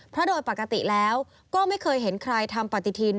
เพราะโดยปกติแล้วก็ไม่เคยเห็นใครทำปฏิทิน